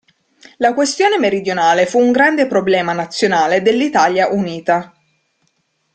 La questione meridionale fu un grande problema nazionale dell'Italia unita.